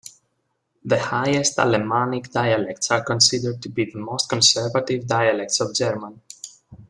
The Highest Alemannic dialects are considered to be the most conservative dialects of German.